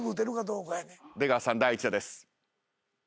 出川さん第１打です。